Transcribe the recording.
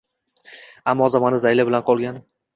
Ammo zamona zayli bilan qolgan